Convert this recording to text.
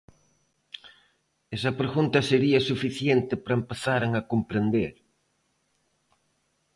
Esa pregunta sería suficiente para empezaren a comprender.